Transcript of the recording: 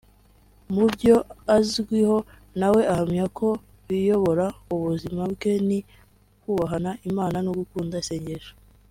mu byo azwiho na we ahamya ko biyobora ubuzima bwe ni ukubaha Imana no gukunda isengesho